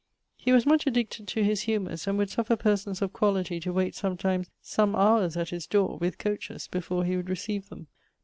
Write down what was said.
He was much addicted to his humours, and would suffer persons of quality to wayte sometimes some houres at his dore, with coaches, before he would recieve them.